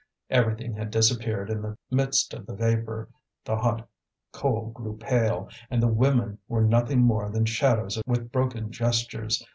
Everything had disappeared in the midst of the vapour, the hot coal grew pale, and the women were nothing more than shadows with broken gestures.